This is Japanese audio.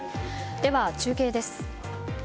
では、中継です。